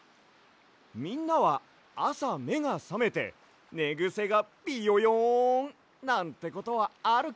みんなはあさめがさめてねぐせがビヨヨン！なんてことはあるかい？